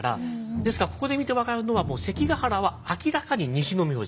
ですからここで見て分かるのは関ケ原は明らかに西の名字。